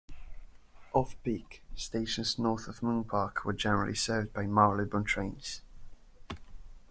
Off-peak, stations north of Moor Park were generally served by Marylebone trains.